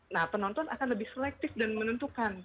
nah penonton akan lebih selektif dan menentukan